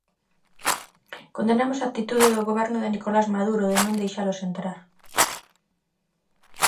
Condenamos a actitude do Goberno de Nicolás Maduro de non deixalos entrar.